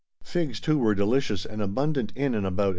Figs, too, were delicious and abundant in and about Es Salt.